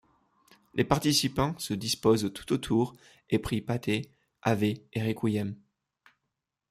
Les participants se disposent tout autour et prient Pater, Ave et Requiem.